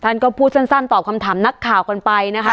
ท่านก็พูดสั้นตอบคำถามนักข่าวกันไปนะคะ